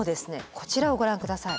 こちらをご覧下さい。